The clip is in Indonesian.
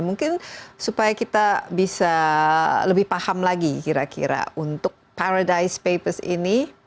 mungkin supaya kita bisa lebih paham lagi kira kira untuk paradise papers ini